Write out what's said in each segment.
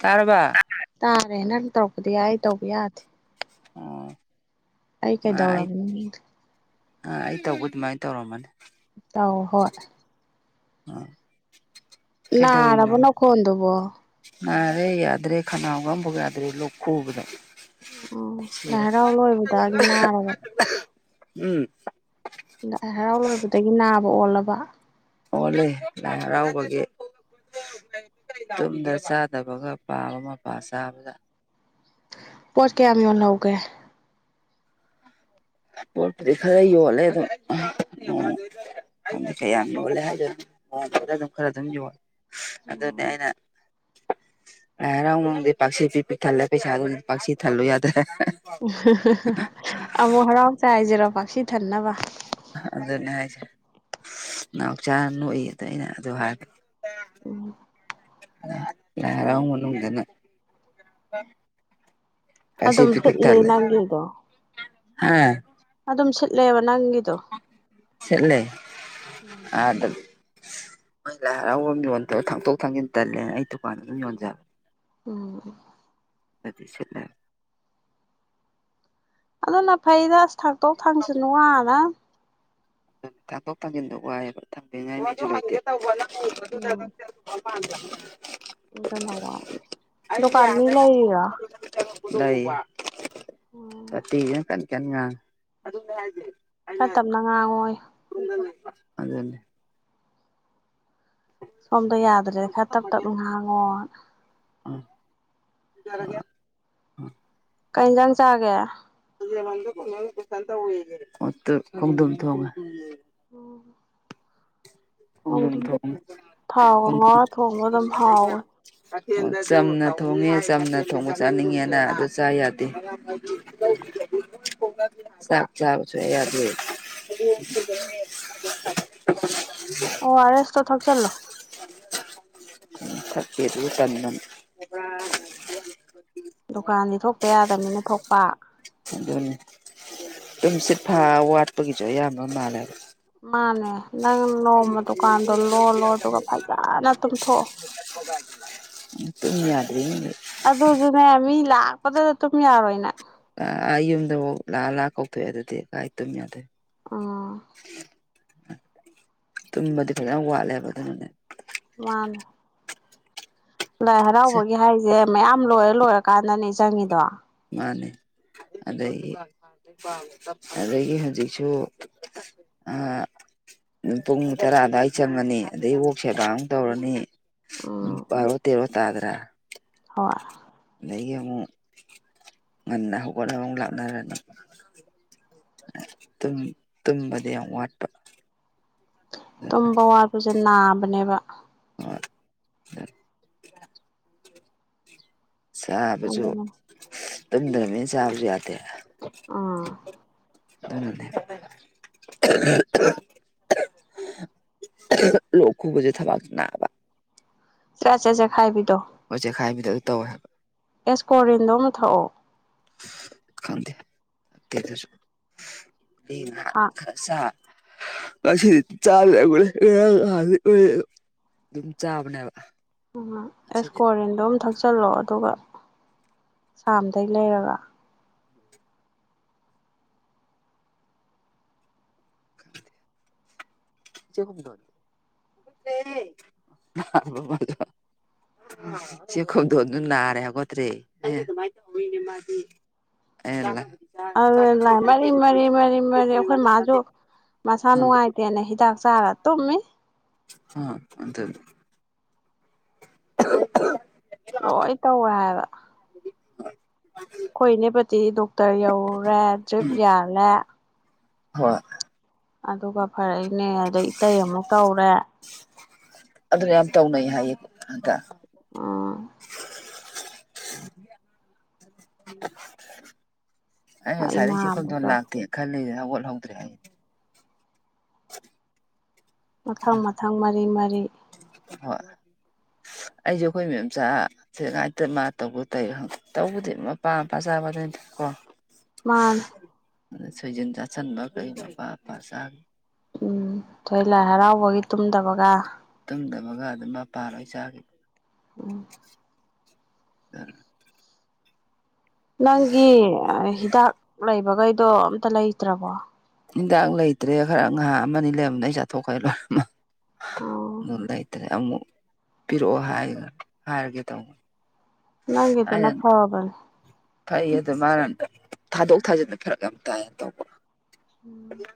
ꯇꯥꯔꯕ ꯇꯥꯔꯦ ꯅꯪ ꯇꯧꯔꯛꯄꯗꯤ ꯌꯥꯏ ꯑꯩ ꯇꯧꯕꯗꯤ ꯌꯥꯗꯦ ꯑꯣ ꯑꯩ ꯑꯥꯑꯩ ꯀꯩꯗꯧꯔꯕꯅꯤ ꯑ ꯑꯩ ꯇꯧꯕ ꯑꯗꯨꯃꯥꯢ ꯇꯧꯔꯝꯃꯅꯤ ꯇꯧ ꯍꯣꯢ ꯀꯩꯗꯧꯔꯤꯅꯣ ꯅꯔꯕꯨ ꯅꯈꯣꯟꯗꯨꯕꯣ ꯅꯥꯔꯦ ꯌꯥꯗ꯭ꯔꯦ ꯈꯅꯥꯎꯒ ꯑꯃꯐꯥꯎ ꯌꯥꯗ꯭ꯔꯦ ꯂꯣꯛ ꯈꯨꯕꯗ ꯎꯝ ꯂꯥꯏ ꯍꯔꯥꯎ ꯂꯣꯏꯕꯗꯒꯤ ꯅꯥꯔꯕ ꯎꯝ ꯂꯥꯏ ꯍꯔꯥꯎ ꯂꯣꯏꯕꯗꯒꯤ ꯅꯥꯕ ꯑꯣꯜꯂꯕ ꯑꯣꯜꯂꯦ ꯂꯥꯏ ꯍꯔꯥꯎꯕꯒꯤ ꯇꯨꯝꯗ ꯆꯥꯗꯕꯒ ꯄꯥꯕ ꯃꯄꯥ ꯆꯥꯕꯗ ꯄꯣꯠ ꯀꯌꯥꯝ ꯌꯣꯍꯧꯒꯦ ꯄꯣꯠꯄꯨꯗꯤ ꯈꯔ ꯌꯣꯜꯂꯦ ꯑꯗꯣ ꯀꯌꯥꯝ ꯌꯣꯜꯂꯦ ꯍꯥꯏꯗꯣꯏꯅꯣ ꯑꯗꯨꯝ ꯈꯔ ꯑꯗꯨꯝ ꯌꯣꯜꯂꯦ ꯑꯗꯨꯅꯦ ꯑꯩꯅ ꯂꯥꯏ ꯍꯔꯥꯎ ꯅꯨꯡꯗꯤ ꯄꯥꯛꯁꯤ ꯄꯤꯛ ꯊꯜꯂꯦ ꯄꯩꯁꯥꯖꯦ ꯄꯥꯛꯁꯤ ꯊꯜꯂꯨ ꯌꯥꯗ꯭ꯔꯦ ꯑꯃꯨꯛ ꯍꯔꯥꯎꯖꯦ ꯍꯥꯏꯁꯤꯔꯣ ꯄꯥꯛꯁꯤ ꯊꯟꯅꯕ ꯑꯗꯨꯅꯦ ꯍꯥꯏꯁꯦ ꯅꯥꯎꯆꯥꯥ ꯅꯣꯛꯏꯌꯦ ꯑꯗꯨ ꯑꯩꯅ ꯑꯗꯨ ꯍꯥꯏꯕꯗꯥ ꯎꯝ ꯂꯥꯏ ꯍꯔꯥꯎ ꯃꯅꯨꯡꯗꯅ ꯄꯥꯛꯁꯤ ꯑꯗꯨꯝ ꯄꯤꯛ ꯄꯤꯛ ꯁꯤꯠꯂꯤ ꯊꯜꯂꯦ ꯅꯪꯒꯤꯗꯣ ꯍꯥ ꯑꯗꯨꯝ ꯁꯤꯠꯂꯦꯕ ꯅꯪꯒꯤ ꯁꯤꯠꯂꯦ ꯑꯥꯗ ꯃꯣꯏ ꯂꯥꯏ ꯍꯔꯥꯎꯕꯝ ꯌꯣꯟꯕꯗꯣ ꯊꯥꯡꯇꯣꯛ ꯊꯥꯡꯖꯤꯟ ꯇꯜꯂꯦ ꯑꯩ ꯇꯨꯀꯥꯟꯗ ꯑꯗꯨꯝ ꯌꯣꯟꯖꯕ ꯎꯝ ꯑꯗꯨ ꯁꯤꯠꯂꯦ ꯑꯗꯨꯅ ꯐꯩꯗ ꯑꯁ ꯊꯥꯡꯇꯣꯛ ꯊꯥꯡꯁꯤꯟ ꯋꯥꯅꯝꯅꯤ ꯊꯥꯡꯇꯣꯛ ꯊꯥꯡꯖꯤꯟꯗꯣ ꯋꯥꯏꯕ ꯈꯪꯗꯦꯅꯦ ꯑꯩꯖꯨ ꯑꯗꯨ ꯉꯪꯒꯦ ꯇꯧꯕ ꯅꯪ ꯎꯕꯗꯨꯗ ꯎꯝ [unintelligible] [unintelligible] [unintelligible] ꯗꯨꯀꯥꯟ ꯃꯤ ꯂꯩꯔꯥ ꯂꯩ ꯎꯝ ꯀꯇꯤꯖꯤꯅ ꯀꯟ ꯀꯟ ꯉꯥꯡꯏ ꯈꯔ ꯇꯞꯅ ꯉꯥꯡꯉꯣꯌꯦ ꯑꯗꯨꯅꯦ ꯁꯣꯝꯗ ꯌꯥꯗ꯭ꯔꯦꯗ ꯈꯔ ꯇꯞ ꯊꯝꯃꯒꯦ ꯇꯞꯅ ꯉꯥꯡꯉꯣ [unintelligible] ꯀꯩ ꯌꯦꯟꯖꯥꯡ ꯆꯥꯒꯦ [unintelligible] ꯈꯣꯝꯗꯨꯝ ꯊꯣꯡꯉꯦ ꯑꯣ ꯈꯣꯡꯗꯨꯝ ꯈꯣꯡꯗꯨꯝꯗꯣ ꯊꯣꯡ ꯊꯥꯎꯕ ꯈꯣꯡꯗꯨꯝ ꯉꯧꯔꯒ ꯊꯣꯡꯕꯗꯣ ꯑꯗꯨꯝ ꯍꯥꯎꯕꯅꯦ ꯆꯝꯅ ꯊꯣꯡꯉꯦ ꯆꯝꯅ ꯊꯣꯡꯕ ꯆꯥꯅꯤꯡꯉꯦꯅ ꯑꯗꯨ ꯆꯥ ꯌꯥꯗꯦ ꯆꯥꯛ ꯆꯥꯕ ꯁꯨꯛꯌꯥ ꯌꯥꯗ ꯎꯝ ꯎꯝ [unintelligible] ꯑꯣ ꯑꯔ ꯑꯦꯁ ꯇꯣ ꯊꯛꯆꯜꯂꯣ [unintelligible] ꯗꯨꯀꯥꯟꯗꯤ ꯊꯣꯛꯇ ꯌꯥꯗꯕꯅꯤꯅ ꯊꯣꯛꯄ ꯑꯗꯨꯅꯤ ꯇꯨꯝ ꯁꯤꯠꯐꯥ ꯋꯥꯠꯄꯒꯤꯁꯨ ꯑꯌꯥꯝꯕ ꯃꯥꯜꯂꯦꯕ ꯃꯥꯅꯦ ꯅꯪ ꯅꯣꯡꯃ ꯗꯨꯀꯥꯟꯗꯣ ꯂꯣꯜꯂꯣ ꯑꯗꯨꯒ ꯐꯖꯅ ꯇꯨꯝꯊꯣꯛꯑꯣ [inaudible] ꯇꯨꯝ ꯌꯥꯗꯦꯅꯦ ꯑꯗꯨꯗꯤ ꯅꯪ ꯃꯤ ꯂꯥꯛꯄꯗꯗ ꯇꯨꯝ ꯌꯥꯔꯣꯏ ꯅꯪ ꯑꯥ ꯌꯨꯝꯗꯐꯥꯎ ꯂꯥꯛꯑ ꯂꯥꯛ ꯀꯧꯊꯣꯛꯑꯦ ꯑꯗꯨꯗꯤ ꯀꯥꯏ ꯇꯨꯝ ꯌꯥꯗꯣꯏꯕ ꯑꯥ ꯇꯨꯝꯕꯗꯤ ꯐꯥꯖꯅ ꯋꯥꯠꯂꯦꯕ ꯑꯗꯨꯅꯅꯦ ꯃꯥꯅꯦ ꯂꯥꯏ ꯁꯦ ꯍꯔꯥꯎꯕꯒꯤ ꯍꯥꯏꯖꯦ ꯃꯌꯥꯝ ꯂꯣꯏꯔ ꯂꯣꯏꯔ ꯀꯥꯟꯗꯅꯦ ꯆꯪꯉꯤꯗꯣ ꯃꯥꯅꯦ ꯑꯗꯒꯤ ꯑꯗꯒꯤ ꯍꯧꯖꯤꯛꯁꯨ ꯑ ꯄꯨꯡ ꯇꯔꯥ ꯑꯗꯥꯏ ꯆꯪꯉꯅꯤ ꯑꯗꯩ ꯑꯣꯛ ꯁꯦꯕꯥ ꯑꯃꯨꯛ ꯇꯧꯔꯅꯤ ꯎꯝ ꯕꯥꯔꯣ ꯇꯦꯔꯣ ꯇꯥꯗꯔꯥ ꯍꯣꯏ ꯑꯗꯒꯤ ꯑꯃꯨꯛ ꯉꯟꯅ ꯍꯧꯒꯠꯂꯒ ꯑꯃꯨꯛ ꯂꯥꯛꯅꯔ ꯇꯨꯝ ꯇꯨꯝꯕꯗꯤ ꯌꯥꯝ ꯋꯥꯠꯄ ꯇꯨꯝꯕ ꯋꯥꯠꯄꯁꯦ ꯅꯥꯕꯅꯦꯕ ꯍꯣꯏ ꯆꯥꯕꯁꯨ ꯑꯗꯨꯅ ꯇꯨꯝꯗ꯭ꯔꯕꯅꯤꯅ ꯆꯥꯕꯁꯨ ꯌꯥꯗꯦ ꯎꯝ [unintelligible] [unintelligible] ꯂꯣꯛ ꯈꯨꯕꯖꯦ ꯊꯕꯛꯇꯤ ꯅꯥꯕ ꯆꯦ ꯆꯦꯠ ꯆꯦꯈꯥꯏꯕꯤꯗꯣ ꯍꯣꯏ ꯆꯦꯛꯈꯥꯏꯕꯤꯗꯣ ꯑꯗꯨ ꯇꯧꯋꯦ ꯑꯦꯁꯀꯣꯔꯤꯟꯗꯣ ꯑꯃ ꯊꯛꯑꯣ ꯈꯪꯗ ꯀꯤꯝꯇꯁꯨ [unintelligible] ꯉꯁꯤ ꯗꯤ ꯆꯥ [unintelligible] ꯑꯗꯨꯝ ꯆꯥꯕꯅꯦꯕ ꯎꯝ ꯉꯁꯤꯗꯤ ꯑꯦꯁꯀꯣꯔꯤꯟꯗꯣ ꯑꯃ ꯊꯛꯆꯜꯂꯣ ꯑꯗꯨꯒ ꯁꯥꯥꯝꯗꯒꯤ ꯂꯩꯔꯒ [unintelligible] ꯆꯨꯝꯗꯔꯣ ꯆꯨꯝꯗꯦ [unintelligible] ꯏꯆꯦ ꯈꯨꯝꯗꯣꯟꯗꯨ ꯅꯥꯔꯦ ꯍꯧꯒꯠꯇ꯭ꯔꯦ ꯑꯦꯟꯅ ꯑꯗꯨ ꯂꯥꯏ ꯃꯔꯤ ꯃꯔꯤ ꯃꯔꯤ ꯃꯔꯤ ꯑꯩꯈꯣꯏ ꯃꯥꯁꯨ ꯃꯁꯥ ꯑꯥ ꯅꯨꯡꯉꯥꯏꯇꯦꯅ ꯍꯤꯗꯥꯛ ꯆꯥꯔ ꯇꯨꯝꯃꯤ ꯑ ꯑꯗꯨꯅꯤ [unintelligible] ꯂꯣꯏ ꯇꯧꯋꯦ ꯍꯥꯏꯕ [unintelligible] ꯑꯩꯈꯣꯏ ꯏꯅꯦꯄꯥꯇꯤꯗꯤ ꯗꯣꯛꯇꯔ ꯌꯧꯔꯨꯔꯦ ꯗ꯭ꯔꯤꯞ ꯌꯥꯜꯂꯦ ꯍꯣꯏ ꯑꯗꯨꯒ ꯐꯔꯛꯏꯅꯦ ꯑꯗꯩ ꯏꯇꯩ ꯑꯃꯨꯛ ꯇꯧꯔꯦ ꯑꯗꯨꯅꯦ ꯌꯥꯝ ꯇꯧꯅꯩ ꯍꯥꯏꯌꯦ ꯍꯟꯗꯛ ꯎꯝ [unintelligible] ꯑꯩ ꯉꯁꯥꯏꯗꯩꯩ ꯏꯃꯥ ꯏꯆꯦ ꯑꯃꯨꯛ ꯈꯝꯗꯣꯟ ꯇꯧ ꯂꯥꯛꯇꯦ ꯈꯜꯂꯤꯁꯦ ꯍꯧꯒꯠꯍꯧꯗ꯭ꯔꯦ ꯍꯥꯏꯌꯦ [unintelligible] ꯃꯊꯪ ꯃꯊꯪ ꯃꯔꯤ ꯃꯔꯤ ꯍꯣꯏ ꯑꯩꯁꯦ ꯑꯩꯈꯣꯏ ꯃꯦꯝꯆꯥ ꯁꯤ ꯉꯥꯏꯇ ꯃꯥ ꯇꯧꯕ ꯇꯧ ꯇꯧꯕꯗꯤ ꯃꯄꯥ ꯃꯄꯥ ꯆꯥꯕꯗꯨꯅꯤ ꯀꯣ ꯃꯥꯥꯟꯅꯦ ꯑꯗ ꯁꯣꯏꯖꯤꯟ ꯆꯥꯁꯤꯟꯕ ꯀꯩ ꯃꯄꯥ ꯑꯄꯥ ꯆꯥꯡ ꯎꯝ ꯑꯩꯈꯣꯏ ꯂꯥꯏ ꯍꯔꯥꯎꯕꯒꯤ ꯇꯨꯝꯗꯕꯒ ꯇꯨꯝꯗꯕꯒ ꯑꯗꯨꯝ ꯃꯄꯥ ꯂꯣꯏ ꯆꯥꯈꯤꯕ ꯎꯝ [inaudible] ꯅꯪꯒꯤ ꯍꯤꯗꯥꯛ ꯂꯩꯕꯒꯩꯗꯣ ꯑꯝꯇ ꯂꯩꯇ꯭ꯔꯕꯣ ꯍꯤꯟꯗꯥꯡ ꯂꯩꯇ꯭ꯔꯦ ꯈꯔ ꯉꯍꯥ ꯑꯃꯅꯤ ꯂꯩꯔꯝꯗ ꯑꯩ ꯆꯥꯊꯣꯛꯈ꯭ꯔꯦ ꯂꯣꯏꯃꯛ ꯎꯝ ꯂꯩꯇ꯭ꯔꯦ ꯑꯃꯨꯛ ꯄꯤꯔꯛꯑꯣ ꯍꯥꯏꯒ ꯍꯥꯏꯔꯒꯦ ꯇꯧ ꯅꯪꯒꯤ ꯗꯨꯅ ꯐꯥꯕꯟ ꯐꯩ ꯑꯗ ꯃꯥꯅ ꯊꯥꯗꯣꯛ ꯊꯥꯖꯤꯟꯕ ꯐꯔꯛ ꯌꯥꯝ ꯇꯥꯏꯌꯦ ꯇꯧꯕ ꯎꯝ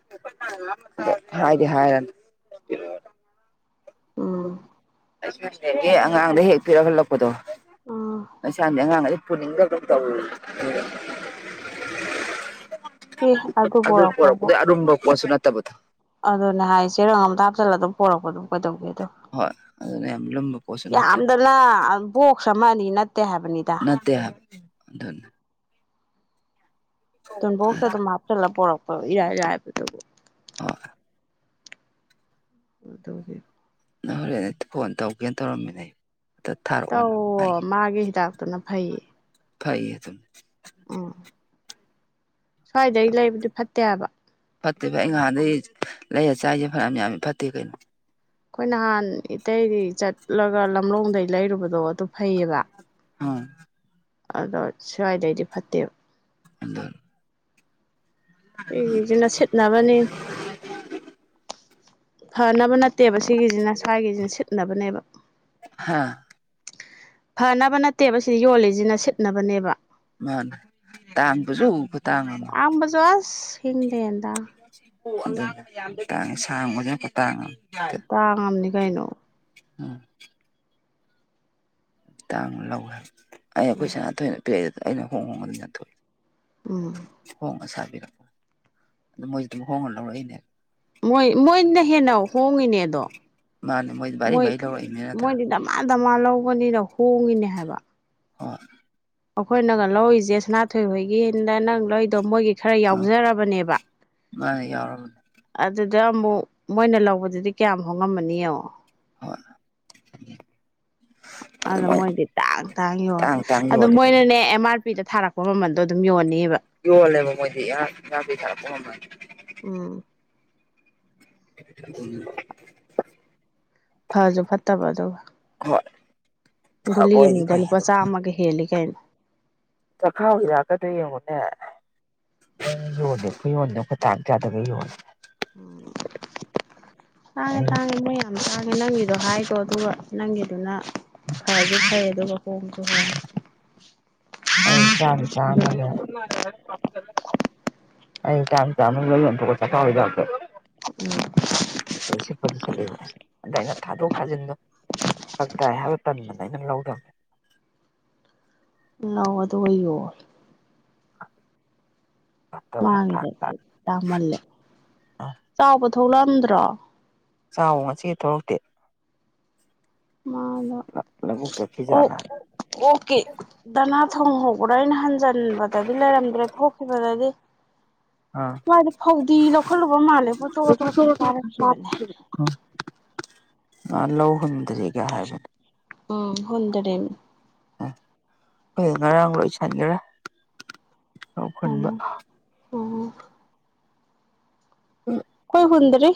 ꯑꯗꯣ ꯍꯥꯏꯗꯤ ꯍꯥꯏꯔ ꯄꯤꯔꯣꯅ ꯎꯝ [unintelligible] ꯑꯉꯥꯡꯗ ꯍꯦꯛ ꯄꯤꯔꯛ ꯍꯜꯂꯛꯄꯗꯣ ꯎꯝ [unintelligible] ꯑꯉꯥꯡꯒꯁꯤ ꯄꯨꯅꯤꯡꯗꯒꯨꯟ ꯇꯧꯔꯤ ꯑꯦ ꯑꯗꯨ ꯄꯣꯔꯛꯄꯕꯨ ꯄꯣꯔꯛꯄꯗ ꯑꯔꯨꯝꯕ ꯄꯣꯠꯁꯨ ꯅꯠꯇꯕꯗꯣ ꯑꯗꯨꯅꯦ ꯍꯥꯏ ꯆꯦꯔꯪ ꯑꯝꯇ ꯍꯥꯞꯆꯜꯂ ꯑꯗꯨꯝ ꯄꯣꯔꯛꯄ ꯑꯗꯨꯝ ꯀꯩꯗꯧꯒꯦꯗꯣ ꯍꯣꯏ ꯑꯗꯨꯅ ꯌꯥꯝ ꯂꯨꯝꯕ ꯄꯣꯠꯁꯨ ꯅꯠꯇꯕ ꯌꯥꯝꯗꯅ ꯕꯣꯛꯁ ꯑꯃ ꯑꯅꯤ ꯅꯠꯇꯦ ꯍꯥꯏꯕꯅꯤꯗ ꯑꯗꯨꯅꯤ ꯇꯨꯝꯕꯣꯛꯁ ꯑꯗꯨꯝ ꯍꯥꯞꯆꯜꯂ ꯄꯣꯔꯛꯄ ꯏꯔꯥꯏ ꯂꯥꯏꯕꯗꯕꯨ ꯑꯥ [unintelligible] ꯅꯪ ꯍꯣꯔꯦꯟ ꯐꯣꯟ ꯇꯧꯒꯦꯅ ꯇꯧꯔꯝꯃꯤꯅꯦ ꯊꯥꯔꯛꯑꯣꯅ ꯇꯧꯋꫭ ꯍꯥꯏꯒꯤ ꯃꯥꯒꯤ ꯍꯤꯗꯥꯛꯇꯨꯅ ꯐꯩꯌꯦ ꯐꯩꯌꯦ ꯑꯗꯨꯝ ꯎꯝ ꯁ꯭ꯋꯥꯏꯗꯩ ꯂꯩꯕꯗꯤ ꯐꯠꯇꯦꯍꯥꯏꯕꯥ ꯐꯠꯇꯦ ꯐꯩ ꯉꯍꯥꯟꯗꯒꯤ ꯂꯩꯔ ꯆꯥꯥꯏꯁꯦ ꯐꯅꯌꯥꯝ ꯌꯥꯝꯃꯤ ꯐꯠꯇꯦ ꯀꯩꯅꯣ ꯑꯩꯈꯣꯏ ꯅꯍꯥꯟ ꯏꯇꯩꯗꯤ ꯆꯠꯂꯒ ꯂꯝꯂꯣꯡꯗꯩ ꯂꯩꯔꯨꯕꯗꯣ ꯑꯗꯨ ꯐꯩꯌꯦꯕ ꯑ ꯑꯗꯣ ꯁ꯭ꯋꯥꯏꯗꯩꯗꯤ ꯐꯠꯇꯦꯕ ꯑꯗ ꯑꯩꯒꯤꯖꯤꯅ ꯁꯦꯠꯅꯕꯅꯤ ꯐꯅꯕ ꯅꯠꯇꯦꯕ ꯁꯤꯒꯤꯁꯤꯅ ꯁ꯭ꯋꯥꯏꯒꯤꯁꯤꯅ ꯁꯤꯠꯅꯕꯅꯦꯕ ꯍꯥꯥ ꯐꯅꯕ ꯅꯠꯇꯦꯕ ꯁꯤ ꯌꯣꯜꯂꯤꯁꯤꯅ ꯁꯤꯠꯅꯕꯅꯦꯕ ꯃꯥꯅꯦ ꯇꯥꯡꯕꯁꯨ ꯈꯨ ꯇꯥꯡꯑꯃ ꯇꯥꯡꯕꯁꯨ ꯑꯁ ꯍꯤꯡꯗꯦꯟꯗ [unintelligible] ꯇꯥꯡꯉꯝꯅꯤ ꯀꯩꯅꯣ ꯎꯝ ꯇꯥꯡꯅ ꯂꯧꯔꯦ ꯑꯩ ꯑꯈꯣꯏ ꯎꯝ ꯁꯥꯅꯊꯣꯏꯅ ꯄꯤꯔꯛꯑꯦꯗꯥ ꯑꯩꯅ ꯍꯣꯡ ꯍꯣꯡꯉ ꯑꯗꯨꯊꯣꯛꯏ ꯎꯝ ꯍꯣꯡꯉ ꯁꯥꯕꯤꯔꯛꯄ ꯑꯗꯨ ꯃꯣꯏ ꯑꯗꯨꯝ ꯍꯣꯡꯉ ꯂꯧꯔꯛꯏꯅꯦ ꯃꯣꯏ ꯃꯣꯏꯅ ꯍꯦꯟꯅ ꯍꯣꯡꯉꯤꯅꯦꯑꯥꯗꯣ ꯃꯥꯅꯦ ꯃꯣꯏꯗꯤ ꯚꯥꯔꯤ ꯃꯣꯏ ꯚꯥꯔꯤ ꯂꯧꯔꯛꯏꯅꯤ ꯅꯠꯇ꯭ꯔꯥ ꯃꯣꯏꯗꯤꯗꯥꯃꯥ ꯃꯥ ꯗꯃꯥ ꯂꯧꯕꯅꯤꯅꯥ ꯍꯣꯡꯉꯤꯅꯦ ꯍꯥꯏꯕ ꯍꯣꯏ ꯑꯩꯈꯣꯏꯅꯒ ꯂꯧꯔꯤꯁꯦ ꯁꯅꯥꯊꯣꯏꯍꯣꯏꯒꯤꯅ ꯅꯪ ꯂꯧꯔꯤꯗꯣ ꯃꯣꯏꯒꯤ ꯈꯔ ꯑꯥ ꯌꯥꯎꯖꯔꯕꯅꯦꯕ ꯃꯥꯅ ꯌꯥꯎꯔꯕꯅꯦ ꯑꯗꯨꯗ ꯑꯃꯨꯛ ꯃꯣꯏꯅ ꯂꯧꯕꯗꯨꯗꯤ ꯀꯌꯥꯝ ꯍꯣꯡꯉꯝꯃꯅꯤ ꯌꯦꯡꯉꯣ ꯍꯣꯏ ꯑꯗꯨ ꯑꯗꯥ ꯃꯣꯏ ꯃꯣꯏꯗꯤ ꯇꯥꯡ ꯇꯥꯡ ꯌꯣꯜꯂꯦ ꯇꯥꯡ ꯑꯗꯨ ꯌꯣꯜꯂꯦꯕ ꯃꯣꯏꯅꯅꯦ ꯑꯦꯝ ꯑꯥꯔ ꯅꯨꯄꯤꯗ ꯊꯥꯔꯛꯄ ꯃꯃꯜꯗꯣ ꯑꯗꯨꯝ ꯌꯣꯟꯅꯤꯑꯕ ꯌꫭꯜꯂ‌ꯦꯕ ꯃꯣꯏꯗꯤ ꯑ‌ꯦꯝ ꯑꯥꯔ ꯄꯤ ꯊꯥꯔꯛꯄꯥ ꯃꯃꯥꯜ ꯎꯝ ꯎ [unintelligible] ꯐꯁꯨ ꯐꯠꯇꯕ ꯑꯗꯨꯒ ꯍꯣꯏ ꯐꯕ ꯒꯨꯂꯤ ꯑꯣꯏꯗꯤ ꯑꯅꯤꯗ ꯐꯩ ꯂꯨꯄꯥ ꯑꯗꯨꯝ ꯆꯥꯝꯃꯒ ꯍꯦꯜꯂꯤ ꯀꯩꯅꯣ ꯆꯈꯥꯎ ꯍꯤꯗꯥꯛ ꯀꯥꯇꯨ ꯌꯦꯡꯉꯣꯅꯦ ꯌꯣꯂꯦ ꯑꯩꯈꯣꯏ ꯌꯣꯟꯅꯦ [unintelligible] ꯑꯩꯈꯣꯏ ꯇꯥꯡ ꯀꯌꯥꯗꯒ ꯌꯣꯜꯂꯦ [unintelligible] [inaudible] ꯇꯥꯡꯉꯦ ꯑꯩ ꯇꯥꯡꯉꯦ ꯃꯣꯏ ꯌꯥꯝ ꯇꯥꯡꯉꯦ ꯅꯪꯒꯤꯗꯣ ꯍꯥꯏꯒꫭ ꯑꯗꯨꯒ ꯅꯪꯒꯤꯗꯨꯅ ꯐꯖꯨ ꯐꯩꯏ ꯑꯗꯨ ꯍꫭꯡꯖꯨ ꯍꫭꯡꯉꯤ ꯑꯩ ꯆꯥꯝꯃꯥ ꯆꯥꯝꯃꯥꯗꯥ ꯑꯩ ꯆꯥꯝꯃꯥ ꯆꯥꯝꯃꯥ ꯂꫭꯏ ꯌꫭꯟꯊꫭꯛꯑꯦ ꯆꯥꯈꯥꯎ ꯍꯤꯗꯥꯛꯇꫭ ꯎꯝ ꯁꯤꯠꯄꯗꯤ ꯁꯤꯠꯂ‌ꯦꯕ ꯑꯗꯥ ꯑꯩꯅꯥ ꯊꯥꯗꯣꯛ ꯈꯥꯖꯤꯟꯗꯣ ꯐꯔꯛ ꯇꯥꯏ ꯍꯥꯏꯕꯗꯨꯗꯥ ꯇꯟꯗꯅ ꯑꯩꯅ ꯂꯧꯗꯕꯅꯦ ꯂꯧ ꯑꯗꯨꯒ ꯌꫭꯟꯂꫭ ꯐꯠꯇꯕ ꯊꯥꯛ ꯃꯥꯡꯉꯦꯗ ꯇꯥ ꯇꯥꯃꯜꯂꯦ ꯑ ꯆꯥꯎꯕ ꯊꯣꯛꯂꯝꯛꯑꯗ꯭ꯔꯣ ꯆꯥꯎꯕ ꯉꯁꯤ ꯊꫭꯛꯂꯛꯇꯦ ꯃꯅꯥ ꯂꯧꯕꯨꯛ ꯑꯣꯛ ꯆꯠꯈꯤꯖꯥꯠꯂꯥ ꯑꯣꯛꯀꯤ ꯗꯥꯅꯥ ꯊꯣꯡ ꯍꯧꯕ꯭ꯔꯥ ꯑꯩꯅ ꯍꯟꯖꯤꯟꯕ ꯇꯗꯤ ꯂꯩꯔꯝꯗ꯭ꯔꯦ ꯊꯣꯛꯈꯤꯕꯗꯗꯤ ꯑ ꯃꯥꯗꯤ ꯐꯧꯗꯤ ꯂꯧꯈꯠꯂꯨꯕ ꯃꯥꯜꯂꯦ ꯄꯨꯡꯆꯣꯠ ꯆꯣꯠꯈꯩ ꯀꯥꯔꯛꯈꯤꯕꯅꯦ ꯃꯥ ꯂꯧꯍꯟꯗꯔꯤꯒ ꯍꯥꯏꯕꯅꯦ ꯎꯝ ꯍꯟꯗꯔꯦꯃꯤ ꯑꯈꫭꯏꯗꯤ ꯉꯔꯥꯡ ꯂꯣꯏꯁꯟꯒ‌꯭ꯔ‌ꯦ ꯂꯧ ꯎꯝ ꯍꯨꯟꯕ ꯎꯝ ꯍꯣꯏ [unintelligible] ꯑꯈꫭꯏ ꯍꯨꯟꯗꯔꯤ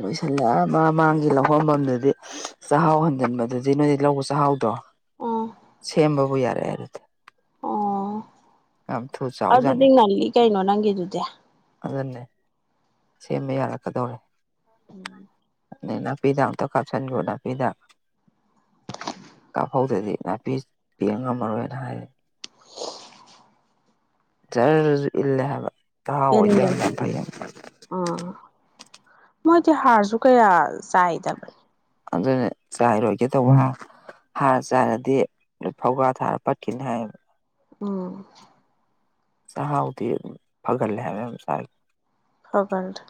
ꯂꯣꯏꯁꯤꯜꯂꯑꯃ ꯃꯥꯡꯒꯤ ꯂꯧꯐꯝꯃꯝꯗꯨꯗꯤ [unintelligible] ꯆꯥꯛꯍꯥꯎ ꯍꯟꯖꯤꯟꯕꯗꯨꯗꯤ ꯅꯣꯏꯗꯤ ꯂꯧꯕ ꯆꯥꯛꯍꯥꯎꯗꯣ ꯎꯝ ꯁꯦꯝꯕꯕꯨ ꯌꯥꯔꯛꯑꯦ ꯑꯗꯨꯗꯤ ꯑꯣ ꯌꯥꯝ ꯊꯨ ꯑꯗꯨꯗꯤ ꯆꯥꯎꯖꯥꯠꯅꯤ ꯉꯜꯂꯤ ꯀꯩꯅꯣ ꯅꯪꯒꯤꯗꯨꯗꯤ ꯑꯗꯨꯅꯦ ꯁꯦꯝꯕ ꯌꯥꯔꯛꯀꯗꯧꯔꯦ [unintelligible] ꯅꯥꯄꯤꯗꯛ ꯑꯝꯇꯛ ꯀꯥꯞꯁꯤꯟꯈ꯭ꯔꫭ ꯅꯥꯄꯤꯗꯥꯛ ꯀꯥꯞꯍꯧꯗꯥꯗꯤ ꯅꯥꯄꯤ ꯄ‌ꯦꯡ ꯉꯝꯃꯔꯣꯏꯅ ꯍꯥꯏꯌꯦ ꯖꯔꯁꯨ ꯏꯜꯂꯦ ꯍꯥꯏꯕ ꯆꯍꯥꯎ ꯑꯣꯏꯕꯩꯔꯥ ꯄꯦꯟꯒꯅꯤ ꯌꯥꯝꯅ ꯐꯩꯌꯦ ꯎꯝ ꯃꯣꯏꯗꯤ ꯍꯥꯔꯁꯨ ꯀꯌꯥ ꯆꯥꯏꯗꯕꯅꯤ ꯑꯗꯨꯅꯦ ꯆꯥꯏꯔꯣꯏꯒꯦ ꯇꯧꯕ꯭ꯔ [unintelligible] ꯍꯥꯔ ꯆꯥꯏꯔꯗꯤ ꯐꯧꯒꯥ ꯊꯥꯔ [unintelligible] ꯄꯠꯈꯤꯅꯤ ꯍꯥꯏꯌꯦꯕ ꯎꯝ ꯆꯍꯥꯎꯗꯤ ꯐꯒꯠꯂꯦ ꯍꯥꯏꯕ ꯑꯃꯨꯛ ꯆꯥꯏꯕꯗꯥ ꯐꯒꯟ [unintelligible]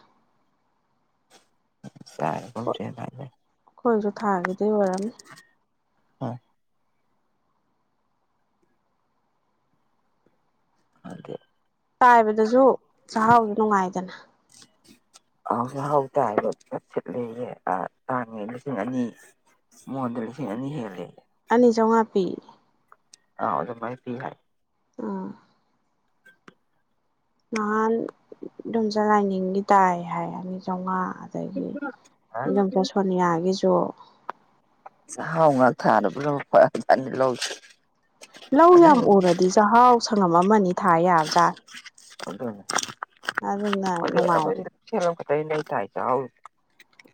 ꯁꯥꯏꯦꯝ [unintelligible] ꯆꯦ [unintelligible] ꯑꯩꯈꯣꯏꯁꯨ ꯊꯥꯈꯤꯗꫭꯏ ꯑꯣꯏꯔꯝꯅꯤ ꯑꯗꯨꯗ ꯇꯥꯏꯕꯗꯁꯨ ꯆꯥꯛꯍꯥꯎꯁꯨ ꯅꯨꯡꯉꯥꯏꯗꯅ ꯑ ꯆꯥꯛꯍꯥꯎ ꯇꯥꯏꯗ ꯁꯤꯠꯂꯌꯦ ꯑ ꯇꯥꯡꯉꯦ ꯂꯤꯁꯤꯡ ꯑꯅꯤ ꯃꯣꯟ ꯗ ꯂꯤꯁꯤꯛ ꯑꯅꯤ ꯍꯦꯜꯂꯦꯌꯦ ꯑꯅꯤ ꯆꯧꯉꯥꯄꯤ ꯑꯧ ꯑꯗꯨꯃꯥꯏꯅ ꯄꯤ ꯍꯥꯏ ꯎꯝ ꯅꯍꯥꯟ ꯢꯗꯣꯝꯖꯥ ꯂꯥꯏꯅꯤꯡꯒꯤ ꯇꯥꯏꯍꯥꯏꯑꯦ ꯑꯅꯤ ꯆꯝꯉꯥ ꯑꯗꯒꯤ ꯏꯔꯝꯆꯥ ꯁꯣꯅꯤꯌꯥꯒꯤꯁꯨ ꯆꯥꯛꯍꯥꯎ ꯉꯥꯛ ꯊꯥꯅꯕ ꯂꯣꯛꯄ ꯐꯖꯅꯤ ꯂꯧꯁꯤ ꯂꯧ ꯌꯥꯝ ꯎꯔꯗꯤ ꯆꯍꯥꯎ ꯁꯪꯉꯝ ꯑꯃ ꯑꯅꯤ ꯊꯥ ꯌꯥꯕꯖꯥꯠꯅꯤ ꯑꯗꯨꯅꯦ ꯑꯗꯨꯅ ꯅꯨꯡꯉꯥꯏꯔꯦ ꯁꯤꯌꯧꯔꯛꯄꯗꯩꯅꯦ ꯑꯩ ꯊꯥꯏꯁꯦ ꯇꯍꯥꯎ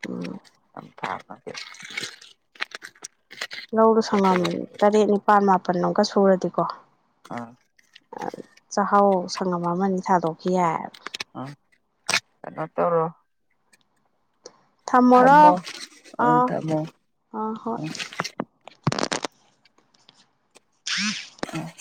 ꯎꯝ [unintelligible] ꯂꯧꯗꯨꯣ ꯁꯪꯉꯝ ꯇꯔꯦꯠ ꯅꯤꯄꯥꯜ ꯃꯥꯄꯜ ꯑꯃꯨꯛꯀ ꯁꯨꯔꯗꯤꯀꯣ ꯑꯥ ꯆꯥꯛꯍꯥꯎ ꯁꯪꯉꯝ ꯑꯃ ꯑꯅꯤ ꯊꯥꯗꯣꯛꯈꯤ ꯌꯥꯏꯕ ꯑ ꯀꯩꯅꯣ ꯇꯧꯔꯣ ꯊꯝꯃꯣꯔꯣ ꯊꯝꯃꯣ ꯑ ꯑꯪ ꯊꯝꯃꯣ ꯎꯝ ꯑ ꯍꯣꯏ [unintelligible] ꯑꯣ